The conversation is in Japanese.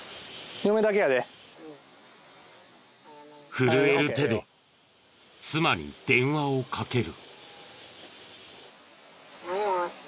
震える手で妻に電話をかける。